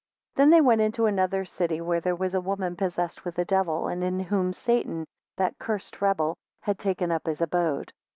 THEN they went into another city where there was a woman possessed with a devil, and in whom Satan, that cursed rebel, had taken up his abode.